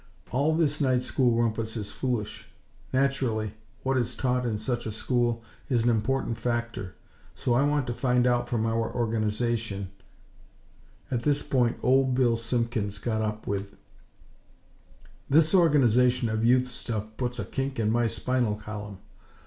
All this Night School rumpus is foolish. Naturally, what is taught in such a school is an important factor; so I want to find out from our Organization " At this point, old Bill Simpkins got up, with: "This Organization of Youth stuff puts a kink in my spinal column!